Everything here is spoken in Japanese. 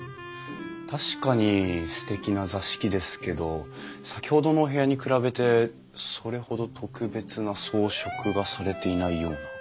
確かにすてきな座敷ですけど先ほどのお部屋に比べてそれほど特別な装飾がされていないような。